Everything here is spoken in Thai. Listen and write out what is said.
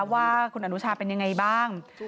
ว่าคุณอนุชาเป็นยังไงบ้าง